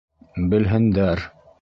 Белһендәр!